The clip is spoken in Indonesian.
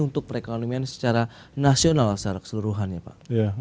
untuk perekonomian secara nasional secara keseluruhannya pak